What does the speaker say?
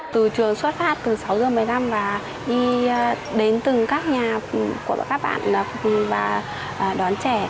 từ trường xuất phát từ sáu giờ một mươi năm và đi đến từng các nhà của các bạn và đón trẻ